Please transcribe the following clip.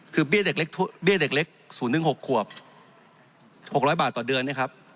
คือเบี้ยเด็กเล็ก๐๖ขวบ๖๐๐บาทต่อเดือน